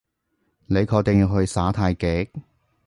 你確定要去耍太極？